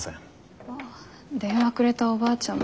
ああ電話くれたおばあちゃん